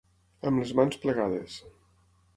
Amb les mans plegades.